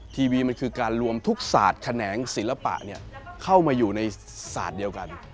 ทีวีมันคือการรวมทุกศาสตร์แขนงศิลปะเข้ามาอยู่ในศาสตร์เดียวกัน